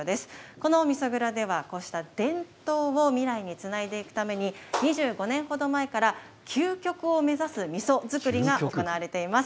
このみそ蔵では、こうした伝統を未来につないでいくために、２５年ほど前から、究極を目指すみそ造りが行われています。